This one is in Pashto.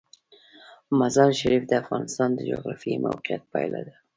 مزارشریف د افغانستان د جغرافیایي موقیعت پایله ده.